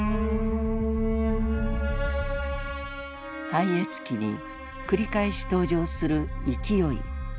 「拝謁記」に繰り返し登場する「勢」。